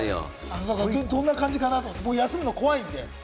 どんな感じかなと思って、僕、休むの怖いんで。